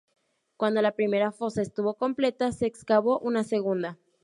Cuando la primera fosa estuvo completa, se excavó una segunda.